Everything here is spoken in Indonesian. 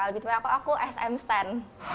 lebih tepatnya aku sm stan